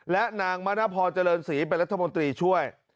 และนางมณพรเจริญศรีเป็นรัฐมนตรีช่วย